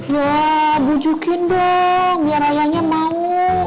yaaa bujukin dong biar rayanya mau